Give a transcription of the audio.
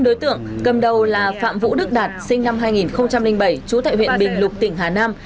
năm đối tượng cầm đầu là phạm vũ đức đạt sinh năm hai nghìn bảy trú tại huyện bình lục tỉnh hà nam